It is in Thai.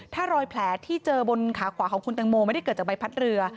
ถ้ารอยแผลที่เจอบนขาขวาของคุณตังโมไม่ได้เกิดจากใบพัดเรือ